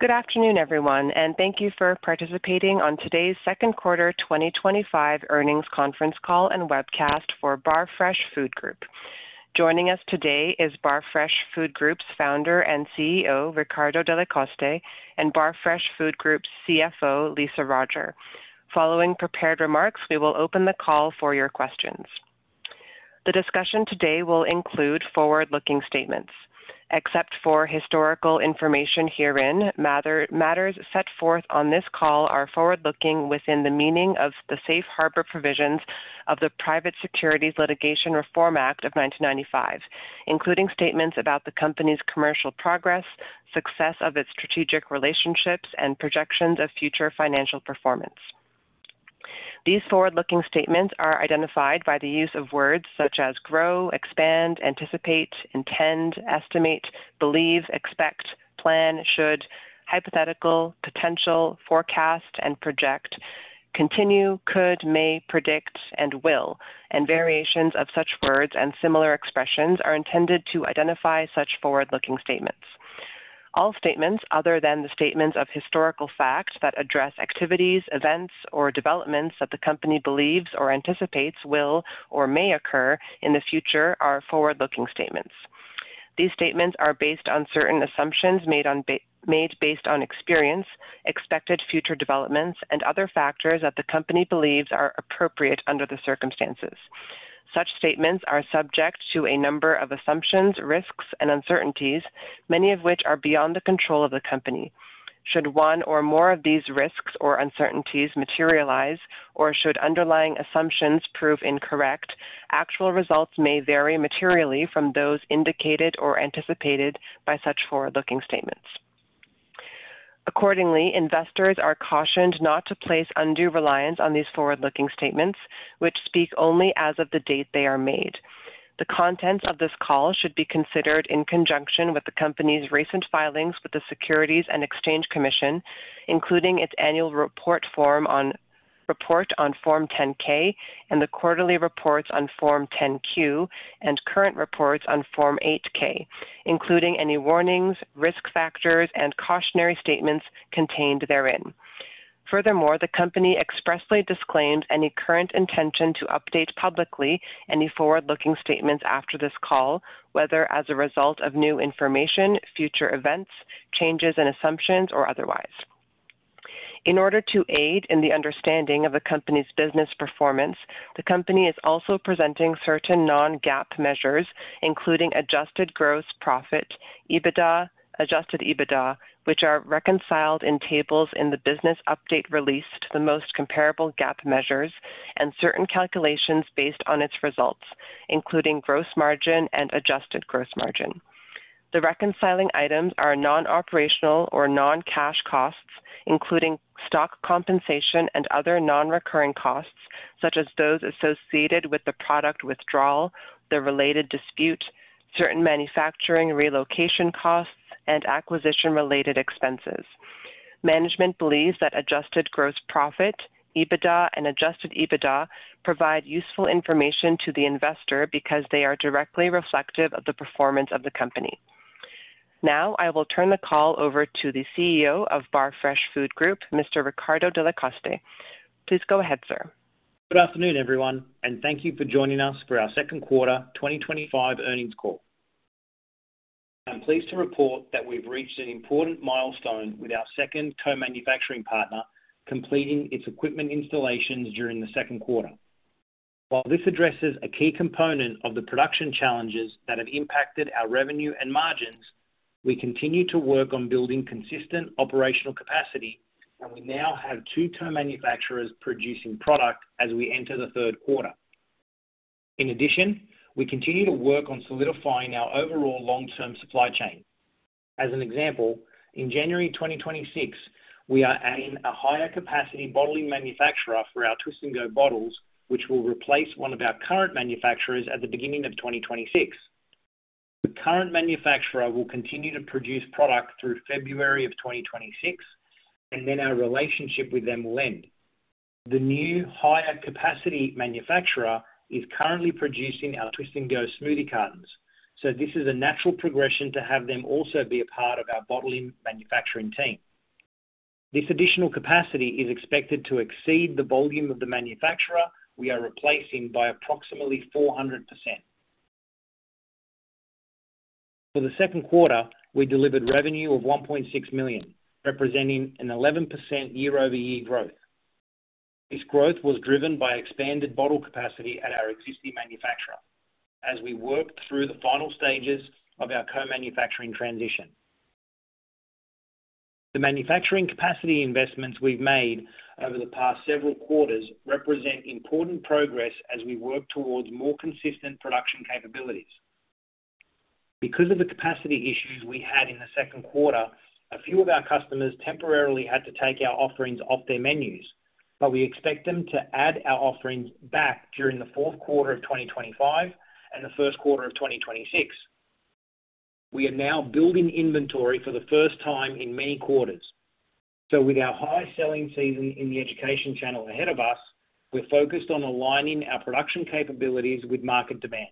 Good afternoon, everyone, and thank you for participating on today's second quarter 2025 earnings conference call and webcast for Barfresh Food Group. Joining us today is Barfresh Food Group's Founder and CEO, Riccardo Delle Coste, and Barfresh Food Group's CFO, Lisa Roger. Following prepared remarks, we will open the call for your questions. The discussion today will include forward-looking statements. Except for historical information herein, matters set forth on this call are forward-looking within the meaning of the safe harbor provisions of the Private Securities Litigation Reform Act of 1995, including statements about the company's commercial progress, success of its strategic relationships, and projections of future financial performance. These forward-looking statements are identified by the use of words such as grow, expand, anticipate, intend, estimate, believe, expect, plan, should, hypothetical, potential, forecast, project, continue, could, may, predict, and will, and variations of such words and similar expressions are intended to identify such forward-looking statements. All statements other than the statements of historical fact that address activities, events, or developments that the company believes or anticipates will or may occur in the future are forward-looking statements. These statements are based on certain assumptions made based on experience, expected future developments, and other factors that the company believes are appropriate under the circumstances. Such statements are subject to a number of assumptions, risks, and uncertainties, many of which are beyond the control of the company. Should one or more of these risks or uncertainties materialize, or should underlying assumptions prove incorrect, actual results may vary materially from those indicated or anticipated by such forward-looking statements. Accordingly, investors are cautioned not to place undue reliance on these forward-looking statements, which speak only as of the date they are made. The contents of this call should be considered in conjunction with the company's recent filings with the Securities and Exchange Commission, including its annual report on Form 10-K and the quarterly reports on Form 10-Q and current reports on Form 8-K, including any warnings, risk factors, and cautionary statements contained therein. Furthermore, the company expressly disclaimed any current intention to update publicly any forward-looking statements after this call, whether as a result of new information, future events, changes in assumptions, or otherwise. In order to aid in the understanding of the company's business performance, the company is also presenting certain non-GAAP measures, including adjusted gross profit, EBITDA, adjusted EBITDA, which are reconciled in tables in the business update release to the most comparable GAAP measures, and certain calculations based on its results, including gross margin and adjusted gross margin. The reconciling items are non-operational or non-cash costs, including stock compensation and other non-recurring costs, such as those associated with the product withdrawal, the related dispute, certain manufacturing relocation costs, and acquisition-related expenses. Management believes that adjusted gross profit, EBITDA, and adjusted EBITDA provide useful information to the investor because they are directly reflective of the performance of the company. Now, I will turn the call over to the CEO of Barfresh Food Group, Mr. Riccardo Delle Coste. Please go ahead, sir. Good afternoon, everyone, and thank you for joining us for our Second Quarter 2025 Earnings Call. I'm pleased to report that we've reached an important milestone with our second co-manufacturing partner completing its equipment installations during the second quarter. While this addresses a key component of the production challenges that have impacted our revenue and margins, we continue to work on building consistent operational capacity, and we now have two co-manufacturers producing product as we enter the third quarter. In addition, we continue to work on solidifying our overall long-term supply chain. As an example, in January 2026, we are adding a higher-capacity bottling manufacturer for our Twist & Go bottles, which will replace one of our current manufacturers at the beginning of 2026. The current manufacturer will continue to produce product through February of 2026, and then our relationship with them will end. The new higher-capacity manufacturer is currently producing our Twist & Go smoothie cartons, so this is a natural progression to have them also be a part of our bottling manufacturing team. This additional capacity is expected to exceed the volume of the manufacturer we are replacing by approximately 400%. For the second quarter, we delivered revenue of $1.6 million, representing an 11% year-over-year growth. This growth was driven by expanded bottle capacity at our existing manufacturer as we worked through the final stages of our co-manufacturing transition. The manufacturing capacity investments we've made over the past several quarters represent important progress as we work towards more consistent production capabilities. Because of the capacity issues we had in the second quarter, a few of our customers temporarily had to take our offerings off their menus, but we expect them to add our offerings back during the fourth quarter of 2025 and the first quarter of 2026. We are now building inventory for the first time in many quarters. With our high selling season in the education channel ahead of us, we're focused on aligning our production capabilities with market demand.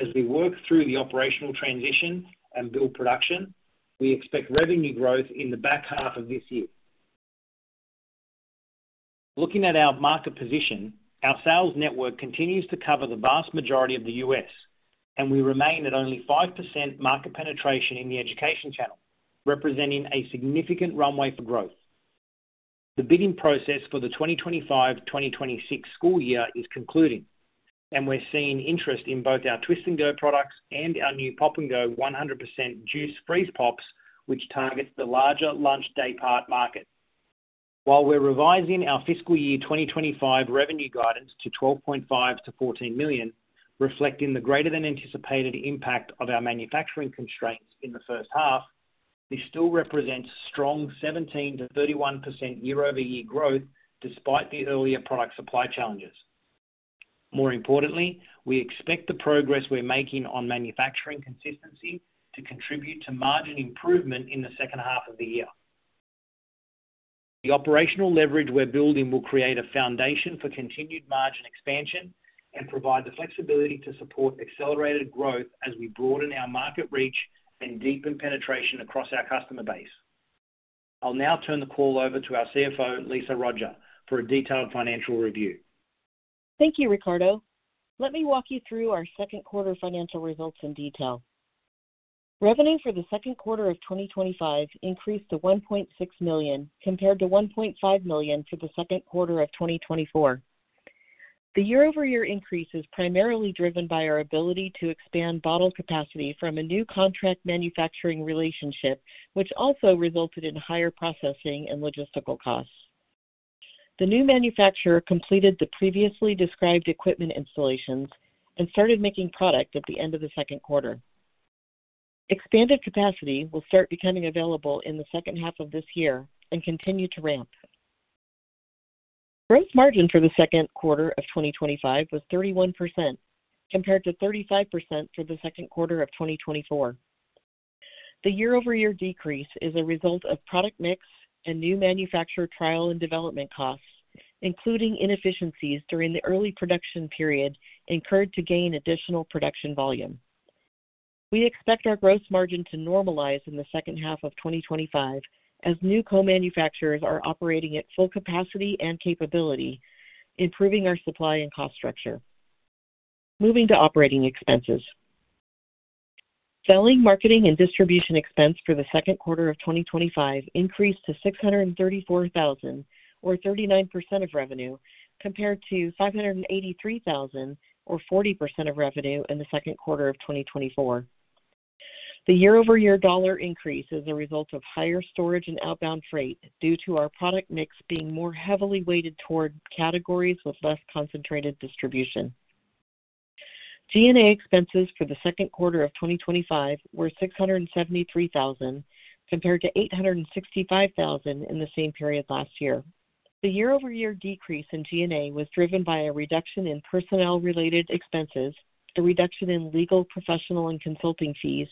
As we work through the operational transition and build production, we expect revenue growth in the back half of this year. Looking at our market position, our sales network continues to cover the vast majority of the U.S., and we remain at only 5% market penetration in the education channel, representing a significant runway for growth. The bidding process for the 2025-2026 school year is concluding, and we're seeing interest in both our Twist & Go products and our new Pop & Go 100% juice freeze pops, which target the larger lunch day part market. While we're revising our fiscal year 2025 revenue guidance to $12.5 to $14 million, reflecting the greater than anticipated impact of our manufacturing constraints in the first half, this still represents strong 17%- 31% year-over-year growth despite the earlier product supply challenges. More importantly, we expect the progress we're making on manufacturing consistency to contribute to margin improvement in the second half of the year. The operational leverage we're building will create a foundation for continued margin expansion and provide the flexibility to support accelerated growth as we broaden our market reach and deepen penetration across our customer base. I'll now turn the call over to our CFO, Lisa Roger, for a detailed financial review. Thank you, Riccardo. Let me walk you through our second quarter financial results in detail. Revenue for the second quarter of 2025 increased to $1.6 million compared to $1.5 million for the second quarter of 2024. The year-over-year increase is primarily driven by our ability to expand bottle capacity from a new contract manufacturing relationship, which also resulted in higher processing and logistical costs. The new manufacturer completed the previously described equipment installations and started making product at the end of the second quarter. Expanded capacity will start becoming available in the second half of this year and continue to ramp. Gross margin for the second quarter of 2025 was 31% compared to 35% for the second quarter of 2024. The year-over-year decrease is a result of product mix and new manufacturer trial and development costs, including inefficiencies during the early production period, incurred to gain additional production volume. We expect our gross margin to normalize in the second half of 2025 as new co-manufacturers are operating at full capacity and capability, improving our supply and cost structure. Moving to operating expenses, selling, marketing, and distribution expense for the second quarter of 2025 increased to $634,000, or 39% of revenue, compared to $583,000, or 40% of revenue in the second quarter of 2024. The year-over-year dollar increase is a result of higher storage and outbound freight due to our product mix being more heavily weighted toward categories with less concentrated distribution. G&A expenses for the second quarter of 2025 were $673,000 compared to $865,000 in the same period last year. The year-over-year decrease in G&A was driven by a reduction in personnel-related expenses, a reduction in legal, professional, and consulting fees,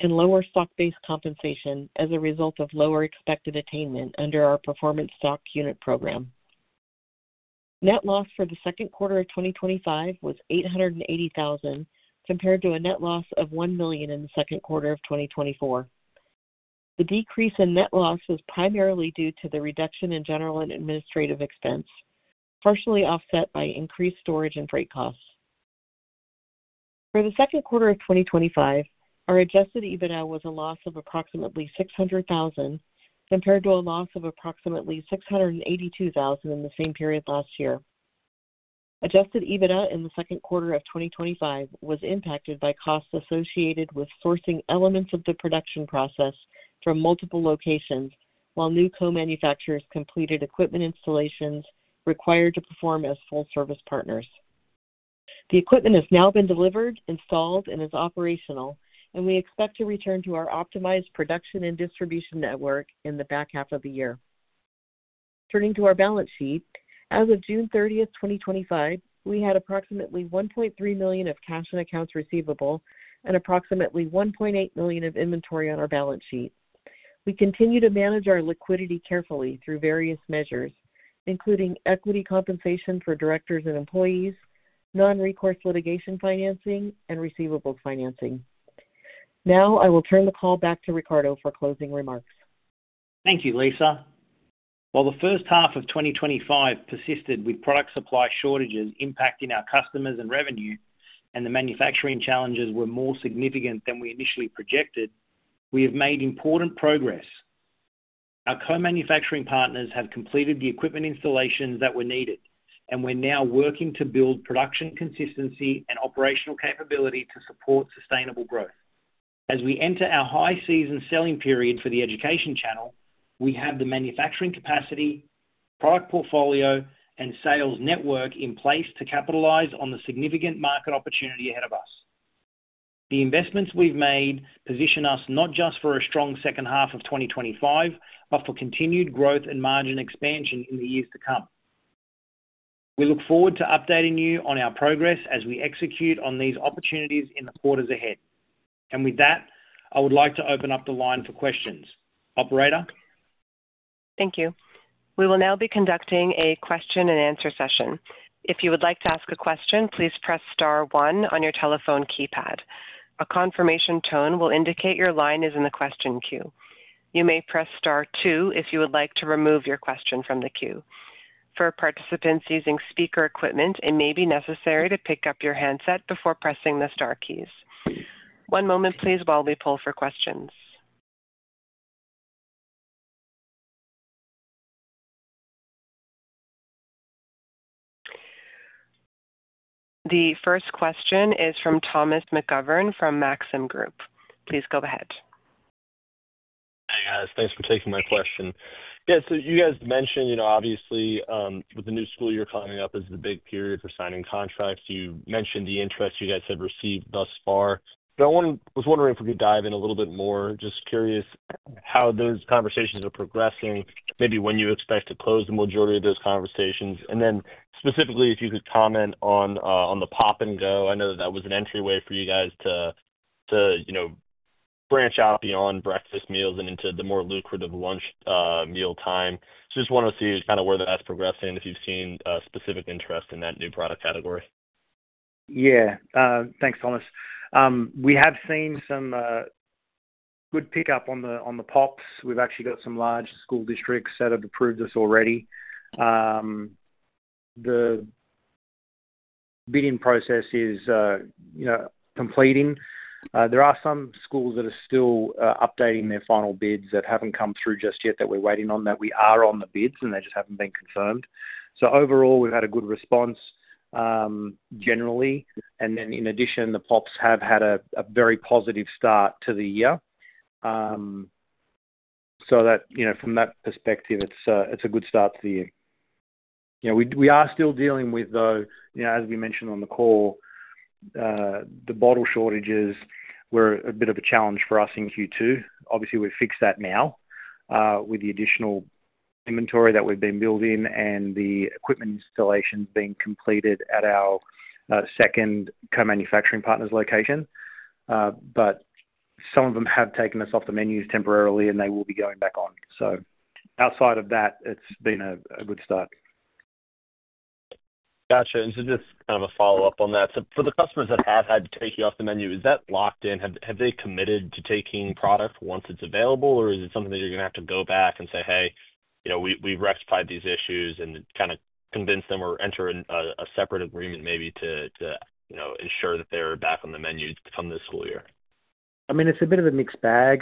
and lower stock-based compensation as a result of lower expected attainment under our performance stock unit program. Net loss for the second quarter of 2025 was $880,000 compared to a net loss of $1 million in the second quarter of 2024. The decrease in net loss was primarily due to the reduction in general and administrative expense, partially offset by increased storage and freight costs. For the second quarter of 2025, our adjusted EBITDA was a loss of approximately $600,000 compared to a loss of approximately $682,000 in the same period last year. Adjusted EBITDA in the second quarter of 2025 was impacted by costs associated with sourcing elements of the production process from multiple locations, while new co-manufacturers completed equipment installations required to perform as full-service partners. The equipment has now been delivered, installed, and is operational, and we expect to return to our optimized production and distribution network in the back half of the year. Turning to our balance sheet, as of June 30, 2025, we had approximately $1.3 million of cash in accounts receivable and approximately $1.8 million of inventory on our balance sheet. We continue to manage our liquidity carefully through various measures, including equity compensation for directors and employees, non-recourse litigation financing, and receivable financing. Now, I will turn the call back to Riccardo for closing remarks. Thank you, Lisa. While the first half of 2025 persisted with product supply shortages impacting our customers and revenue, and the manufacturing challenges were more significant than we initially projected, we have made important progress. Our co-manufacturing partners have completed the equipment installations that were needed, and we're now working to build production consistency and operational capability to support sustainable growth. As we enter our high-season selling period for the education channel, we have the manufacturing capacity, product portfolio, and sales network in place to capitalize on the significant market opportunity ahead of us. The investments we've made position us not just for a strong second half of 2025, but for continued growth and margin expansion in the years to come. We look forward to updating you on our progress as we execute on these opportunities in the quarters ahead. I would like to open up the line for questions. Operator? Thank you. We will now be conducting a question and answer session. If you would like to ask a question, please press star one on your telephone keypad. A confirmation tone will indicate your line is in the question queue. You may press star two if you would like to remove your question from the queue. For participants using speaker equipment, it may be necessary to pick up your handset before pressing the star keys. One moment, please, while we pull for questions. The first question is from Thomas McGovern from Maxim Group. Please go ahead. Hi guys, thanks for taking my question. You guys mentioned, obviously with the new school year coming up, it is the big period for signing contracts. You mentioned the interest you guys have received thus far, but I was wondering if we could dive in a little bit more. Just curious how those conversations are progressing, maybe when you expect to close the majority of those conversations, and then specifically if you could comment on the Pop & Go 100% juice freeze pops. I know that was an entryway for you guys to branch out beyond breakfast meals and into the more lucrative lunch meal time. I just want to see where that's progressing, if you've seen specific interest in that new product category. Yeah, thanks Thomas. We have seen some good pickup on the pops. We've actually got some large school districts that have approved us already. The bidding process is completing. There are some schools that are still updating their final bids that haven't come through just yet that we're waiting on, that we are on the bids and they just haven't been confirmed. Overall, we've had a good response generally. In addition, the pops have had a very positive start to the year. From that perspective, it's a good start to the year. Yeah, we are still dealing with, though, as we mentioned on the call, the bottle shortages were a bit of a challenge for us in Q2. Obviously, we've fixed that now with the additional inventory that we've been building and the equipment installations being completed at our second co-manufacturing partner's location. Some of them have taken us off the menus temporarily and they will be going back on. Outside of that, it's been a good start. Gotcha. Just kind of a follow-up on that. For the customers that have had to take you off the menu, is that locked in? Have they committed to taking product once it's available, or is it something that you're going to have to go back and say, hey, you know, we've rectified these issues and kind of convince them or enter a separate agreement maybe to, you know, ensure that they're back on the menu from this school year? It's a bit of a mixed bag.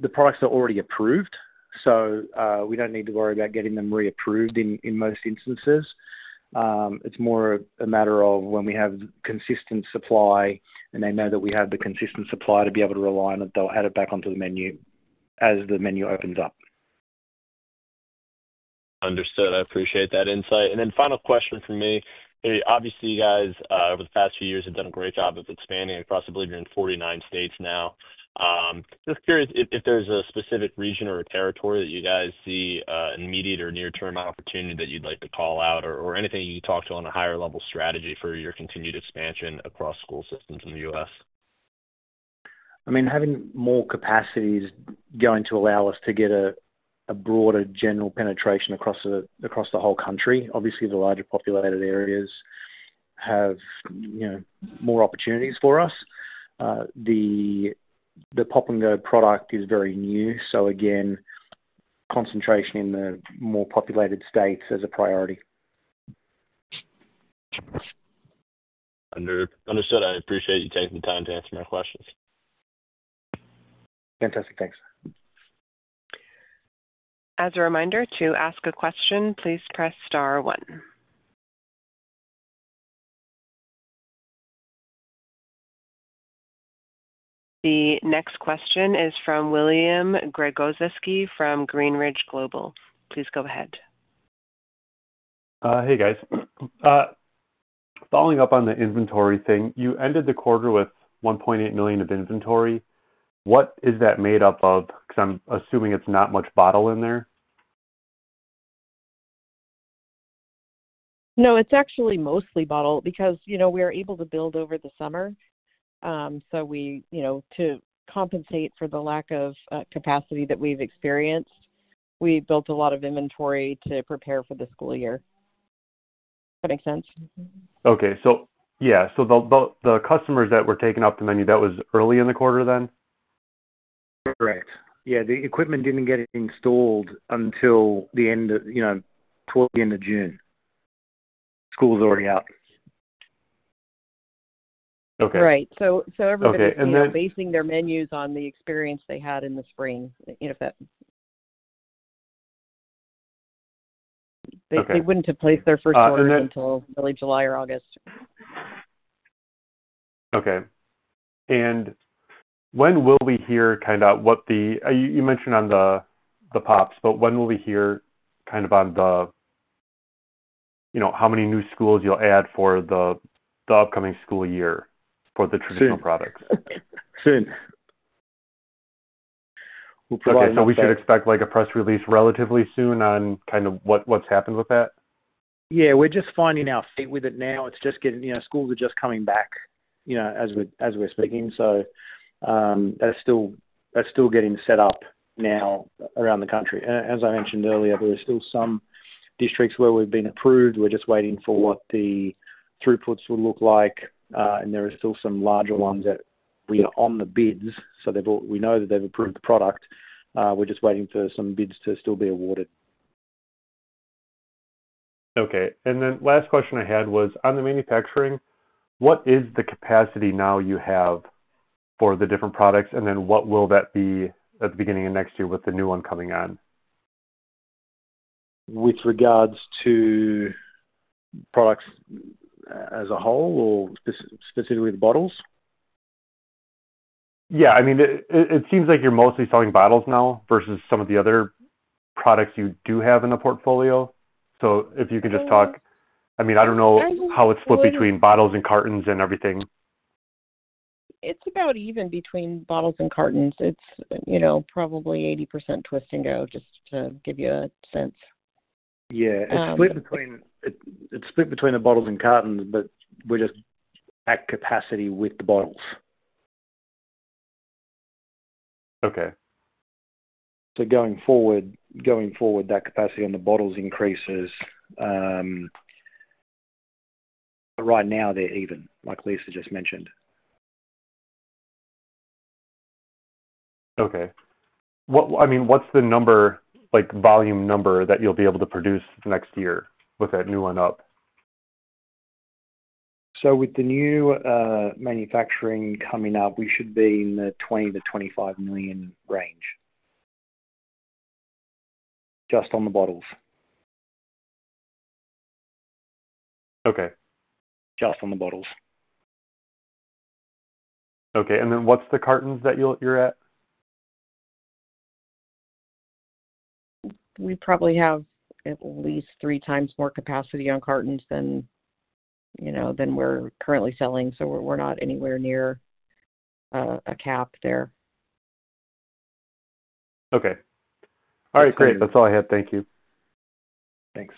The products are already approved, so we don't need to worry about getting them reapproved in most instances. It's more a matter of when we have consistent supply and they know that we have the consistent supply to be able to rely on that they'll add it back onto the menu as the menu opens up. Understood. I appreciate that insight. Final question from me. Obviously, you guys over the past few years have done a great job of expanding across, I believe you're in 49 states now. Just curious if there's a specific region or a territory that you guys see an immediate or near-term opportunity that you'd like to call out or anything you talk to on a higher level strategy for your continued expansion across school systems in the U.S. Having more capacity is going to allow us to get a broader general penetration across the whole country. Obviously, the larger populated areas have more opportunities for us. The Pop & Go 100% juice freeze pops product is very new, so concentration in the more populated states is a priority. Understood. I appreciate you taking the time to answer my questions. Fantastic. Thanks. As a reminder, to ask a question, please press star one. The next question is from William Gregozeski from Greenridge Global. Please go ahead. Hey guys, following up on the inventory thing, you ended the quarter with $1.8 million of inventory. What is that made up of? Because I'm assuming it's not much bottle in there. No, it's actually mostly bottle because, you know, we are able to build over the summer. We, you know, to compensate for the lack of capacity that we've experienced, we built a lot of inventory to prepare for the school year. That makes sense. Okay, the customers that were taken off the menu, that was early in the quarter then? Correct. Yeah, the equipment didn't get installed until the end of, you know, toward the end of June. School's already out. Right. Everybody's basing their menus on the experience they had in the spring. If that, they wouldn't have placed their first order until early July or August. Okay. When will we hear what you mentioned on the pops, but when will we hear how many new schools you'll add for the upcoming school year for the traditional products? Soon. Should we expect a press release relatively soon on what has happened with that? Yeah, we're just finding our feet with it now. It's just getting, you know, schools are just coming back, you know, as we're speaking. That's still getting set up now around the country. As I mentioned earlier, there's still some districts where we've been approved. We're just waiting for what the throughputs would look like, and there are still some larger ones that we are on the bids. They've all, we know that they've approved the product. We're just waiting for some bids to still be awarded. Okay. The last question I had was on the manufacturing. What is the capacity now you have for the different products? What will that be at the beginning of next year with the new one coming on? With regards to products as a whole or specifically the bottles? Yeah, I mean, it seems like you're mostly selling bottles now versus some of the other products you do have in the portfolio. If you can just talk, I mean, I don't know how it's split between bottles and cartons and everything. It's about even between bottles and cartons. It's probably 80% Twist & Go, just to give you a sense. Yeah, it's split between the bottles and cartons, but we're just at capacity with the bottles. Okay. That capacity on the bottles increases going forward. Right now, they're even, like Lisa just mentioned. Okay. What, I mean, what's the number, like volume number that you'll be able to produce next year with that new one up? With the new manufacturing coming up, we should be in the $20 million-$25 million range, just on the bottles. Okay. Just on the bottles. Okay, what's the cartons that you're at? We probably have at least three times more capacity on cartons than we're currently selling, so we're not anywhere near a cap there. Okay. All right, great. That's all I had. Thank you. Thanks.